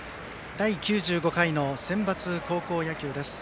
第９５回のセンバツ高校野球です。